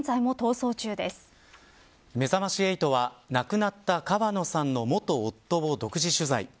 めざまし８は亡くなった川野さんの元夫を独自取材。